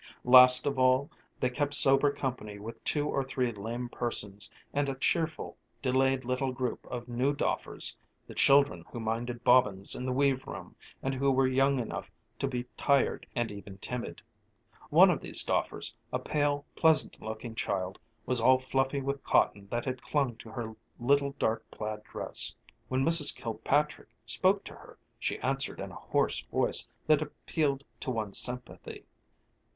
Last of all they kept sober company with two or three lame persons and a cheerful delayed little group of new doffers, the children who minded bobbins in the weave room and who were young enough to be tired and even timid. One of these doffers, a pale, pleasant looking child, was all fluffy with cotton that had clung to her little dark plaid dress. When Mrs. Kilpatrick spoke to her she answered in a hoarse voice that appealed to one's sympathy.